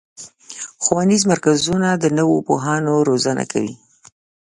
ښوونیز مرکزونه د نوو پوهانو روزنه کوي.